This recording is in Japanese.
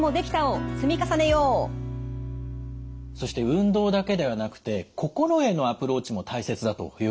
そして運動だけではなくて心へのアプローチも大切だということでしたよね？